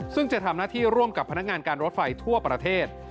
ซึ่งจะทำหน้าที่ร่วมกับพนักงานการรถไฟทั่วประเทศ